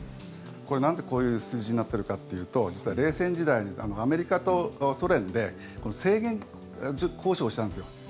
なんでこういう数字になっているかっていうと実は、冷戦時代にアメリカとソ連で制限交渉したんですよ。